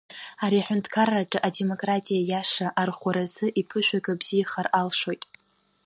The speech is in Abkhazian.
Ари аҳәынҭқарраҿы адемократиа иаша арыӷәӷәаразы иԥышәага бзиахар алшоит.